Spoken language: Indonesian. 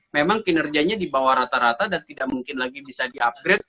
memang kinerjanya di bawah rata rata dan tidak mungkin lagi bisa di upgrade